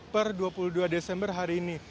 per dua puluh dua desember hari ini